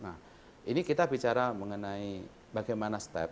nah ini kita bicara mengenai bagaimana step